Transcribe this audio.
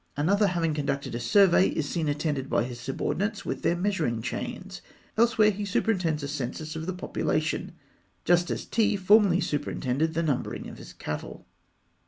Another, having conducted a survey, is seen attended by his subordinates with their measuring chains; elsewhere he superintends a census of the population, just as Ti formerly superintended the numbering of his cattle.